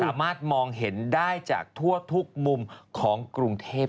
สามารถมองเห็นได้จากทั่วทุกมุมของกรุงเทพ